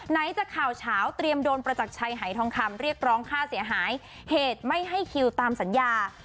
ไหนจะข่าวเฉาเตรียมโดนประจักรชัยหายทองคำเรียกร้องค่าเสียหายเหตุไม่ให้คิวตามสัญญา